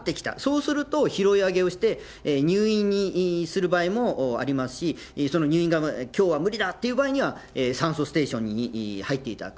そうすると、拾い上げをして、入院にする場合もありますし、入院がきょうは無理だっていう場合には、酸素ステーションに入っていただく。